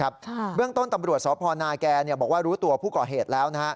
เบื้องต้นตำรวจสพนาแกบอกว่ารู้ตัวผู้ก่อเหตุแล้ว